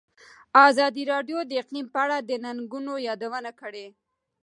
ازادي راډیو د اقلیم په اړه د ننګونو یادونه کړې.